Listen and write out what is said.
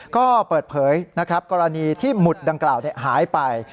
ก็เปิดเผยนะครับกรณีที่หมุดดังกล่าวหายไป